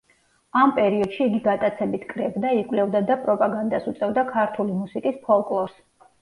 ამ პერიოდში იგი გატაცებით კრებდა, იკვლევდა და პროპაგანდას უწევდა ქართული მუსიკის ფოლკლორს.